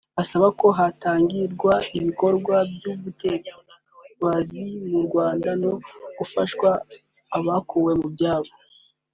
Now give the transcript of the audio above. asaba ko hategurwa ibikorwa by’ubutabazi mu Rwanda no gufasha abakuwe mu byabo